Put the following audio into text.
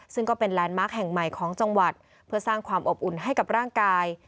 ซึ่งก็เป็นแลนด์มาร์คแห่งใหม่ของจังหวัดเพื่อสร้างความอบอุ่นให้กับร่างกาย